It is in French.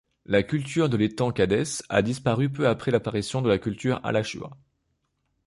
La culture de l'étang Cades a disparu peu après l'apparition de la culture Alachua.